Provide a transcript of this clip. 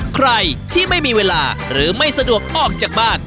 ใครที่ไม่มีเวลาหรือไม่สะดวกออกจากบ้าน